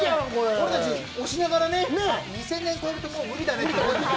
俺たち、押しながらね、２０００年超えるともう無理だねと。